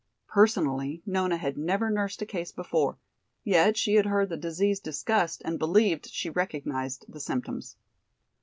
Personally Nona had never nursed a case before, yet she had heard the disease discussed and believed she recognized the symptoms.